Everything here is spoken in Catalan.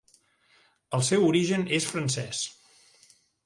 El seu origen és francès.